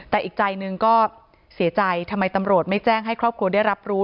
แต่อีกใจหนึ่งก็เสียใจทำไมตำรวจไม่แจ้งให้ครอบครัวได้รับรู้